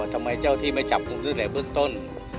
ทำไมเจ้าที่ไม่จับกลุ่มที่ไหนเบื้องต้น